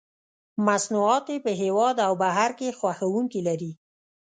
مصنوعات یې په هېواد او بهر کې خوښوونکي لري.